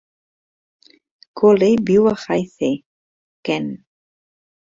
Colley viu a Hythe, Kent.